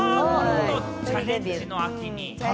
チャレンジの秋。